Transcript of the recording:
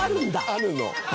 あるの。